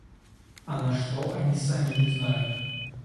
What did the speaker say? А на что — они сами не знают.